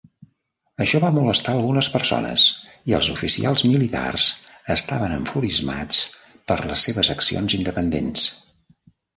Això va molestar algunes persones i els oficials militars estaven enfurismats per les seves accions independents.